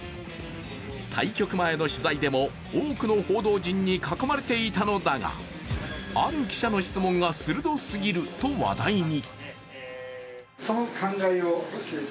対局前の取材でも多くの報道陣に囲まれていたのだがある記者の質問が鋭すぎると話題に。